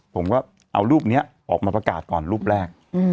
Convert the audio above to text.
ผมก็เอารูปนี้ออกมาประกาศก่อนรูปแรก